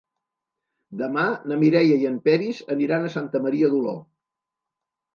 Demà na Mireia i en Peris aniran a Santa Maria d'Oló.